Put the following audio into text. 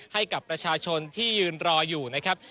ให้กับประชาชนที่ยืนรออยู่นะครับ